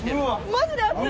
マジで熱い！